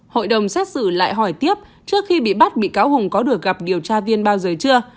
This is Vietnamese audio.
hội đồng xét xử lại hỏi tiếp trước khi bị bắt bị cáo hùng có được gặp điều tra viên bao giờ chưa